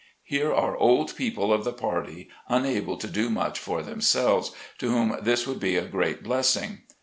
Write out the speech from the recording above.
Here are old people of the party unable to do much for themselves, to whom this would be a great bless ing.